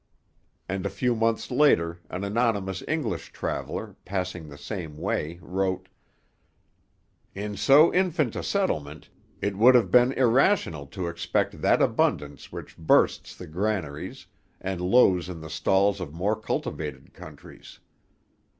And a few months later an anonymous English traveller, passing the same way, wrote: 'In so infant a settlement, it would have been irrational to expect that abundance which bursts the granaries, and lows in the stalls of more cultivated countries.